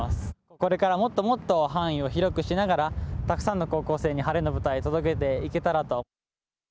これから、もっともっと範囲を広くしながらたくさんの高校生に晴れの舞台を届けていけたらと。